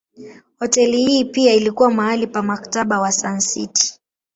Hoteli hii pia ilikuwa mahali pa Mkataba wa Sun City.